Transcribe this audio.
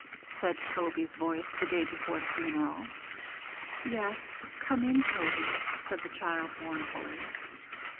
said Toby's voice, the day before the funeral. 'Yes; come in, Toby,' said the child mournfully.